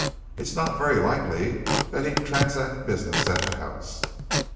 It's not very likely that he'd transact business at the House."